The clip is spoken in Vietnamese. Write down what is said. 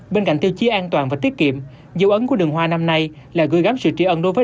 bên cạnh tiêu chí an toàn và tiết kiệm dấu ấn của đường hoa năm nay là gửi gắm sự tri ân đối với